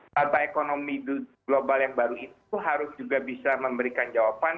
tata ekonomi global yang baru itu harus juga bisa memberikan jawaban